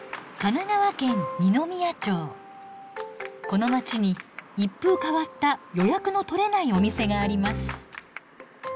この街に一風変わった予約の取れないお店があります。